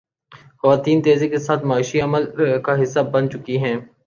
خواتین تیزی کے ساتھ معاشی عمل کا حصہ بن چکی ہیں۔